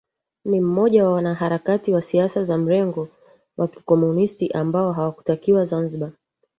Ni mmoja wa wanaharakati wa siasa za mrengo wa Kikomunisti ambao hawakutakiwa Zanzibar